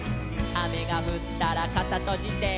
「あめがふったらかさとじて」